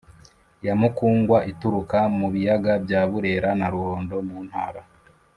ya Mukungwa ituruka mu biyaga bya Burera na Ruhondo mu Ntara